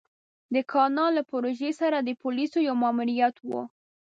د کانال له پروژې سره د پوليسو يو ماموريت و.